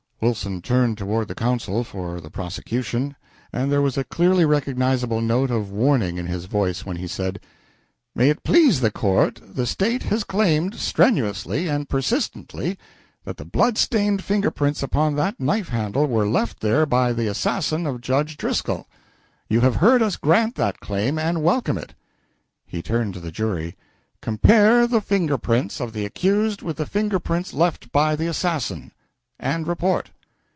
Wilson turned toward the counsel for the prosecution, and there was a clearly recognizable note of warning in his voice when he said "May it please the court, the State has claimed, strenuously and persistently, that the blood stained finger prints upon that knife handle were left there by the assassin of Judge Driscoll. You have heard us grant that claim, and welcome it." He turned to the jury: "Compare the finger prints of the accused with the finger prints left by the assassin and report."